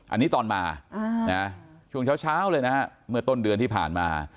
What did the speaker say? อันนี้ตอนมาช่วงเช้าเลยนะฮะเมื่อต้นเดือนที่ผ่านมา